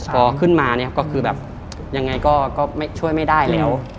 พอขึ้นมาเนี่ยก็คือแบบยังไงก็ช่วยไม่ได้แล้ว